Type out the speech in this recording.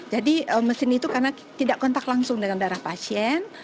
jadi mesin itu karena tidak kontak langsung dengan darah pasien